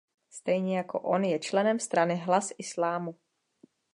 Stejně jako on je členem strany Hlas islámu.